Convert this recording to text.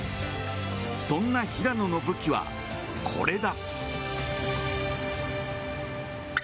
そんな平野の武器はこれだ。